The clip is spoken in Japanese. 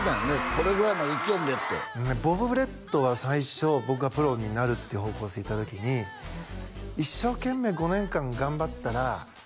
これぐらいまで行きよんでってボブ・ブレットは最初僕がプロになるっていう方向性でいった時に「一生懸命５年間頑張ったら」